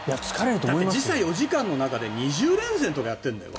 だって時差４時間の中で２０連戦とかやっているんだよ。